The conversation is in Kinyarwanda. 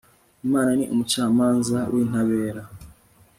imana ni umucamanza w'intabera